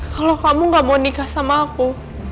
kalau kamu gak mau nikah sama aku